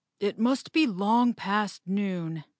"It must be long past noon.